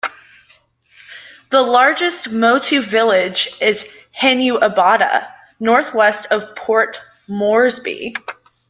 The largest Motu village is Hanuabada, northwest of Port Moresby.